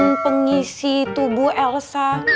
segala jin pengisi tubuh elsa